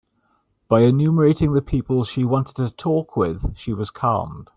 By enumerating the people she wanted to talk with, she was calmed.